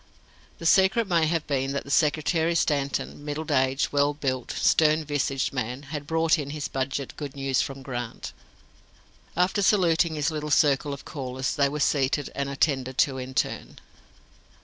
The secret may have been that Secretary Stanton middle aged, well built, stern visaged man had brought in his budget good news from Grant." After saluting his little circle of callers, they were seated and attended to in turn.